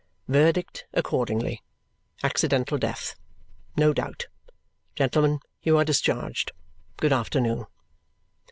Verdict accordingly. Accidental death. No doubt. Gentlemen, you are discharged. Good afternoon.